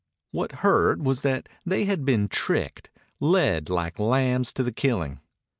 What hurt was that they had been tricked, led like lambs to the killing.